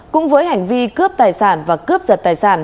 cũng với hành vi cướp tài sản và cướp giật tài sản